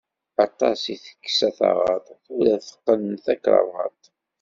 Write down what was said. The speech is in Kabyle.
Aṭas i teksa taɣaṭ, tura teqqen takrabaṭ.